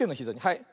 はい。